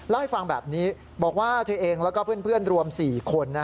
เล่าให้ฟังแบบนี้บอกว่าเธอเองแล้วก็เพื่อนรวม๔คน